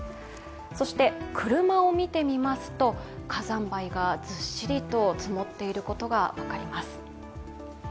そして、車を見てみますと火山灰がずっしりと積もっていることが分かります。